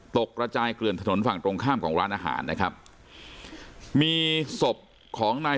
กระจายเกลื่อนถนนฝั่งตรงข้ามของร้านอาหารนะครับมีศพของนาย